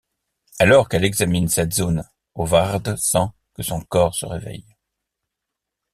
Alors qu'elle examine cette zone, Howard sent que son corps se réveille.